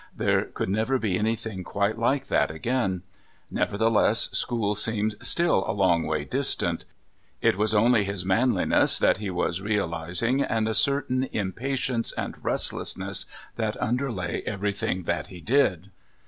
There could never be anything quite like that again. Nevertheless, school seemed still a long way distant. It was only his manliness that he was realising and a certain impatience and restlessness that underlay everything that he did.